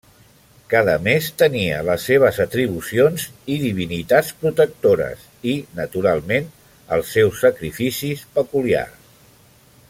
Cada mes tenia les seves atribucions i divinitats protectores i, naturalment, els seus sacrificis peculiars.